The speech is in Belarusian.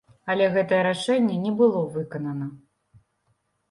Але гэтае рашэнне не было выканана.